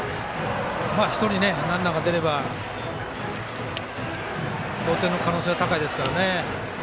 １人、ランナーが出れば同点の可能性は高いですからね。